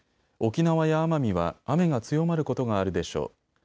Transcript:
沖縄や奄美は雨が強まることがあるでしょう。